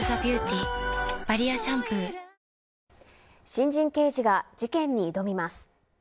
新人刑事が事件に挑みます。